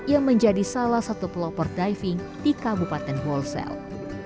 yang menjadi salah satu pelopor diving di kabupaten wolsale